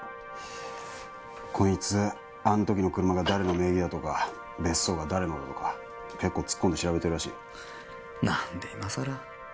こいつあの時の車が誰の名義だとか別荘が誰のだとか結構突っ込んで調べてるらしい何で今さら？